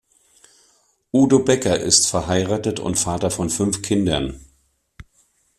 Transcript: Udo Becker ist verheiratet und Vater von fünf Kindern.